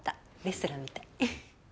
レストランみたい。